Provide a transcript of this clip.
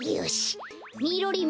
みろりん！